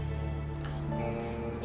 ya udah pak